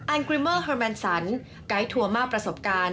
กริเมอร์เอร์แมนสันไกด์ทัวร์มากประสบการณ์